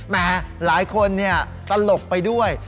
แหมหลายคนเนี่ยตลกไปด้วย